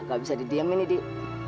gak bisa didiamin nih dik